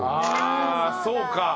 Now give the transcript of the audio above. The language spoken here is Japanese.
ああそうか。